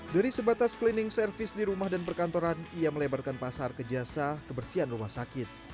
dari sebatas cleaning service di rumah dan perkantoran ia melebarkan pasar ke jasa kebersihan rumah sakit